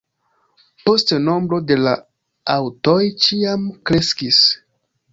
Poste nombro de la aŭtoj ĉiam kreskis.